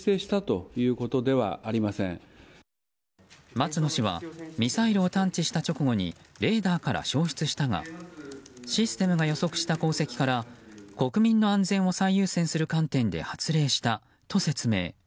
松野氏はミサイルを探知した直後にレーダーから消失したがシステムが予想した航跡から国民の安全を最優先する観点で発令したと説明。